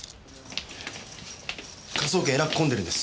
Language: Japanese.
科捜研えらく込んでるんです。